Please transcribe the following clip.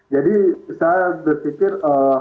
jadi saya berpikir